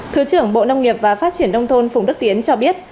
thứ trưởng bộ nông nghiệp và phát triển nông thôn phùng đức tiến cho biết